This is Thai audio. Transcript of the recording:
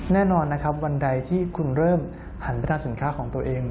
แน่นอนนะครับวันใดที่คุณเริ่มหันไปทำสินค้าของตัวเอง